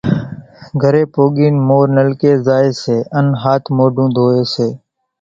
گھرين پوڳين مورِ نلڪي زائي سي ان ھاٿ موڍون ڌوئي سي۔